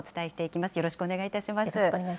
よろしくよろしくお願いします。